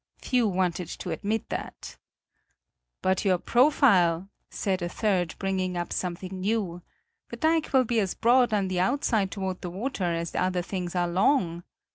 Few wanted to admit that. "But your profile," said a third, bringing up something new; "the dike will be as broad on the outside toward the water as other things are long.